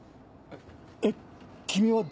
えっ君は誰？